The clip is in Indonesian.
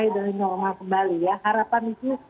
dari normal kembali ya harapan itu